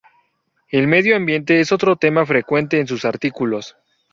El medio ambiente es otro tema frecuente en sus artículos.